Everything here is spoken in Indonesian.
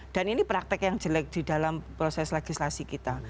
dan ini praktek yang jelek di dalam proses legislasi kita